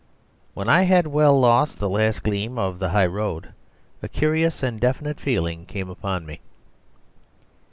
When I had well lost the last gleam of the high road a curious and definite feeling came upon me.